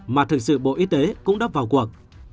mà thực sự bộ y tế cũng đã vào cuộc